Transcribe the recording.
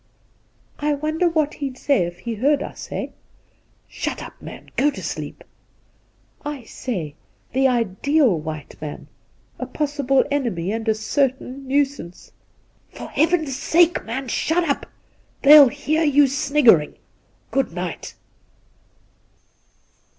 .' I wonder what he'd say if he heard us, eh?' ' Shut up, man ; go to sleep !'' I say ! The ideal white man —" a possible enemy and a certain nuisance." '' For Heaven's sake, man, shut up ! They'll hear you sniggering. Good night!'